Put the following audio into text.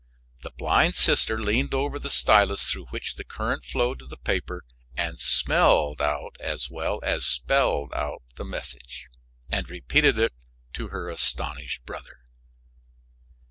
The blind sister leaned over the stylus through which the current flowed to the paper and smelled out as well as spelled out the message, and repeated it to her astonished brother.